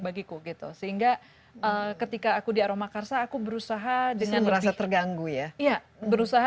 bagiku gitu sehingga ketika aku di aroma karsa aku berusaha dengan rasa terganggu ya iya berusaha